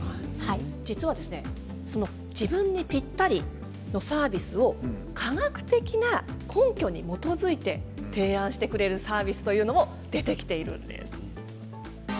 実は自分にぴったりサービスを科学的な根拠に基づいて提案してくれるサービスというのもできているんです。